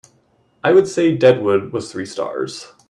I would say Dead Wood was three stars